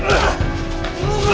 tapi sini dia gue